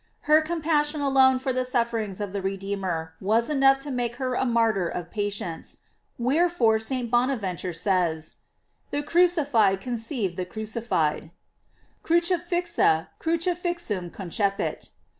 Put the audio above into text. * Her compassion alone for the sufferings of the Redeemer was enough to make her a martyr of patience; wherefore St. Bonaventure says : The crucified conceived the crucified: "Crucifixa crucifixum concepit."